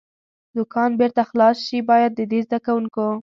دوکان بېرته خلاص شي، باید د دې زده کوونکو.